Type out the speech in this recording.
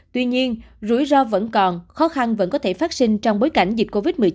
tuy nhiên rủi ro vẫn còn khó khăn vẫn có thể phát sinh trong bối cảnh dịch covid một mươi chín